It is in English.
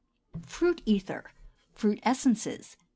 FRUIT ETHERS (FRUIT ESSENCES).